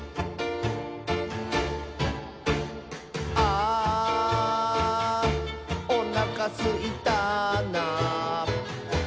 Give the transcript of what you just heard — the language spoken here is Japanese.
「あーおなかすいたな」